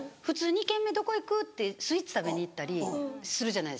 「２軒目どこ行く？」ってスイーツ食べに行ったりするじゃないですか。